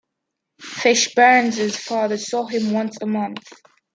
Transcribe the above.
Fishburne's father saw him once a month.